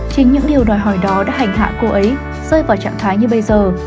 chính những điều đòi hỏi đó đã hành hạ cô ấy rơi vào trạng thái như bây giờ